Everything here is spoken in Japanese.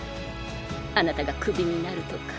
あなたがクビになるとか。